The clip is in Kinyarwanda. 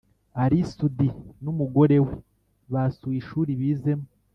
Ally soudy nu mugore we basuye ishuri bizemo